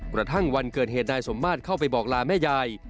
กระทั่งวันเกิดเหตุนายสมมาตรเข้าไปบอกลาแม่ยาย